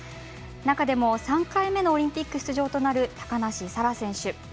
中でも３回目のオリンピック出場となる高梨沙羅選手。